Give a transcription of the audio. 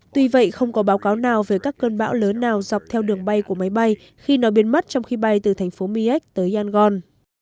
tuy vậy không có báo cáo nào về các cơn bão lớn nào dọc theo đường bay của máy bay khi nó biến mất trong khi bay từ thành phố miek tới yangon